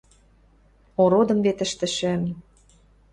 – Ородым вет ӹштӹшӹм...